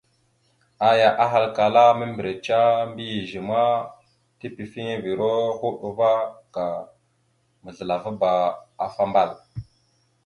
Aya ahalkala ya: « Membireca mbiyez ma, tepefiŋirava hoɗ ava ka mazləlavaba afa ambal a. ».